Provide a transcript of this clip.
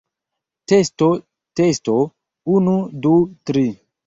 Testo testo, unu, du, tri.